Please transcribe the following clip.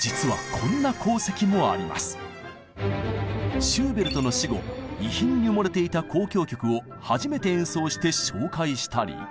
実はシューベルトの死後遺品に埋もれていた交響曲を初めて演奏して紹介したり。